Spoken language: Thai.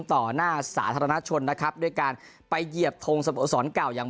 ต่อหน้าสาธารณชนนะครับด้วยการไปเหยียบทงสโมสรเก่าอย่าง